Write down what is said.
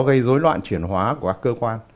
gây dối loạn chuyển hóa của các cơ quan